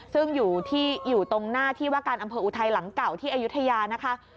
ซึ่งอยู่ตรงหน้าที่ว่าการอำเภออุทัยหลังเก่าที่อายุทยานะคะ